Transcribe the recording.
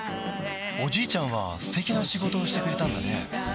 おじいちゃんは素敵な仕事をしてくれたんだね